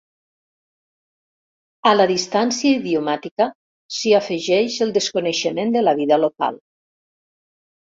A la distància idiomàtica s'hi afegeix el desconeixement de la vida local.